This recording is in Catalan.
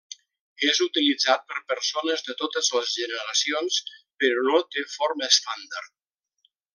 És utilitzat per persones de totes les generacions però no té forma estàndard.